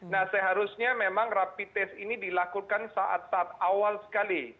nah seharusnya memang rapid test ini dilakukan saat awal